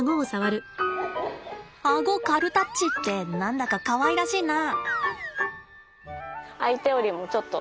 顎軽タッチって何だかかわいらしいな。